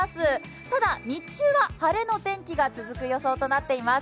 ただ、日中は晴れの天気が続く予想となっています。